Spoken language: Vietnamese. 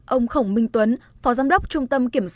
ông khổng minh tuấn phó giám đốc trung tâm